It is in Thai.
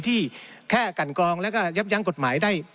ที่แค่กันกรองแล้วก็ยับยั้งกฎหมายได้